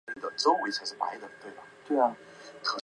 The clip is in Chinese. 广泛作用于移动浏览器。